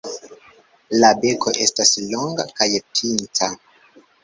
La beko estas longa kaj pinta.